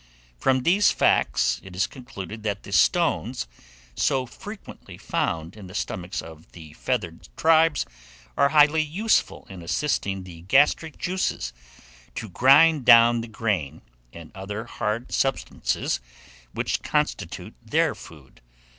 From these facts, it is concluded that the stones, so frequently found in the stomachs of the feathered tribes, are highly useful in assisting the gastric juices to grind down the grain and other hard substances which constitute their food.